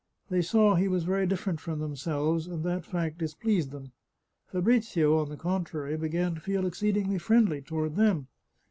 They saw he was very dif ferent from themselves, and that fact displeased them. Fa brizio, on the contrary, began to feel exceedingly friendly toward them.